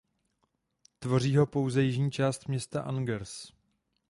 Tvoří ho pouze jižní část města Angers.